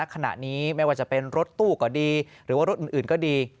ขณะนี้ไม่ว่าจะเป็นรถตู้ก็ดีหรือว่ารถอื่นก็ดี